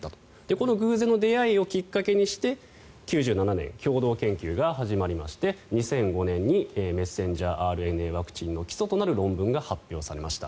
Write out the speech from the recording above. この偶然の出会いをきっかけにして９７年、共同研究が始まりまして２００５年にメッセンジャーＲＮＡワクチンの基礎となる論文が発表されました。